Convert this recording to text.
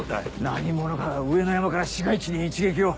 何者かが上野山から市街地に一撃を。